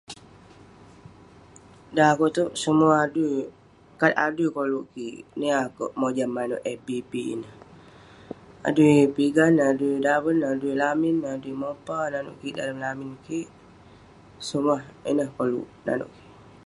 Dan akouk itouk, semuah adui kat adui koluk kik. Niah akouk mojam manouk eh bi-bi neh. Adui pigan, adui daven, adui lamin, adui mopa, nanouk kik dalem lamin kik ; semuah ineh koluk nanouk kik.